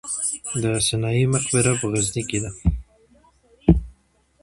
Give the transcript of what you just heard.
د سنايي مقبره په غزني کې ده